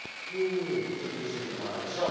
ちょっと見せてもらいましょう。